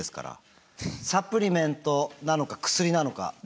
サプリメントなのか薬なのか。